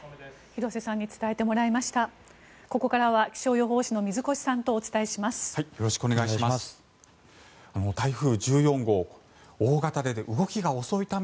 廣瀬さんに伝えてもらいました。